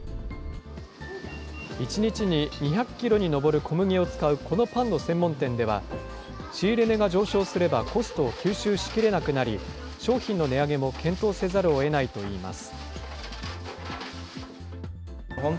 １日に２００キロに上る小麦を使うこのパンの専門店では、仕入れ値が上昇すればコストを吸収しきれなくなり、商品の値上げも検討せざるをえないといいます。